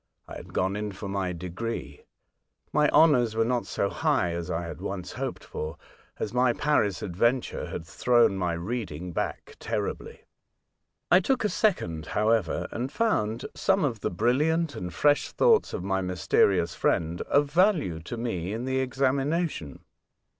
I had gone in for my degree. My honours were not so high as I had once hoped for, as my Paris adventure had thrown my reading back terribly. I took a second, however, and found some of the brilliant and fresh thoughts of my mysterious friend of value to me in the examination.